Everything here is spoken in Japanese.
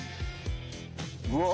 うわ。